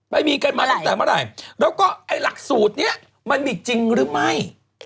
ไปมีกันมาตั้งแต่เมื่อไหร่แล้วก็ไอ้หลักสูตรนี้มันมีจริงหรือไม่